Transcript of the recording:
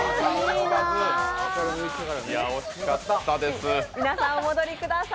惜しかったです。